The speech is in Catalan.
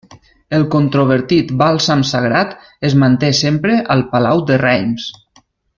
El controvertit bàlsam sagrat es manté sempre al palau de Reims.